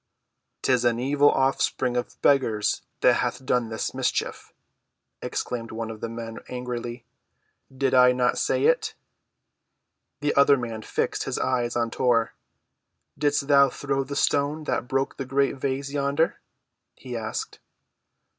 "'Tis an evil offspring of beggars that hath done this mischief," exclaimed one of the men angrily. "Did I not say it?" The other man fixed his eyes on Tor. "Didst thou throw the stone that broke the great vase yonder?" he asked.